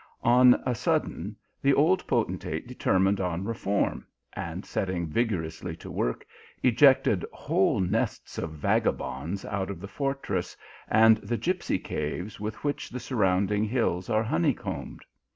On a sudden, the old poten tate determined on reform, and setting vigorously to work, ejected whole nests of vagabonds out of the fortress, and the gipsy caves with which the sur rounding hills are honey combed.